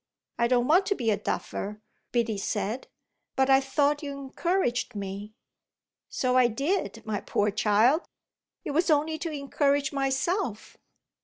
"I don't want to be a duffer," Biddy said. "But I thought you encouraged me." "So I did, my poor child. It was only to encourage myself."